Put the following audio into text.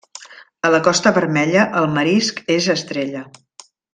A la Costa Vermella, el marisc és estrella.